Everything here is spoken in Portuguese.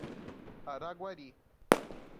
Araguari